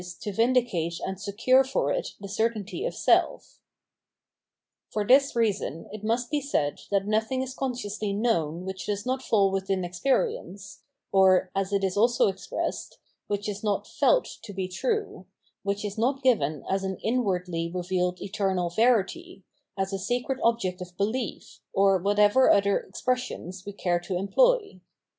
to vindicate and secure for it the certainty of self. For this reason it must be said that nothing is con sciously known which does not fall within experience, or (as it is also expressed) which is not fdt to be true, which is not given as an inwardly revealed eternal verity, as a sacred object of belief, or whatever other expressions we care to employ.